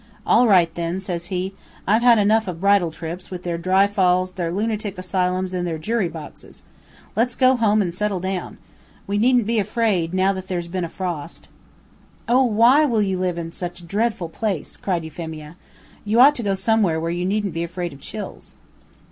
"'All right, then,' says he. 'I've had enough of bridal trips, with their dry falls, their lunatic asylums, and their jury boxes. Let's go home and settle down. We needn't be afraid, now that there's been a frost.'" "Oh, why will you live in such a dreadful place?" cried Euphemia. "You ought to go somewhere where you needn't be afraid of chills."